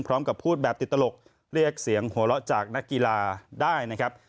พร้อมกับพูดแบบติดตลกเรียกเสียงหัวเราะจากนักกีฬาได้นะครับ